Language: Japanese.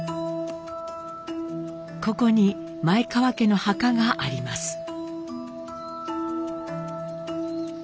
ここに前川家の墓があります。